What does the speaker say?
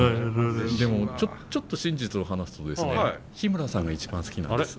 でもちょっと真実を話すとですね日村さんが一番好きなんです。